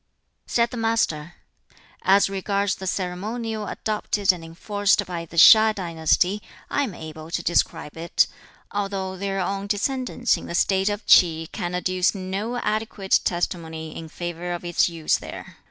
Said the Master, "As regards the ceremonial adopted and enforced by the HiŠ dynasty, I am able to describe it, although their own descendants in the State of Ki can adduce no adequate testimony in favor of its use there.